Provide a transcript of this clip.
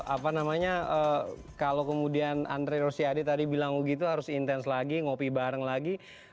apa namanya kalau kemudian andre rosiade tadi bilang begitu harus intens lagi ngopi bareng lagi